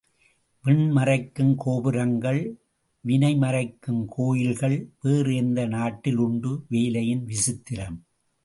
விண் மறைக்கும் கோபுரங்கள் வினை மறைக்கும் கோயில்கள் வேறு எந்த நாட்டில் உண்டு வேலையின் விசித்திரம்?